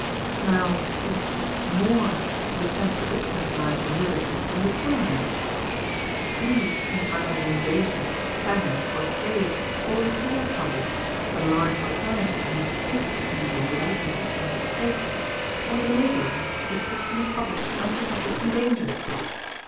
Now, does it cost more to defend the rich man's life and liberty than the poor man's? Who, in time of invasion, famine, or plague, causes more trouble, the large proprietor who escapes the evil without the assistance of the State, or the laborer who sits in his cottage unprotected from danger?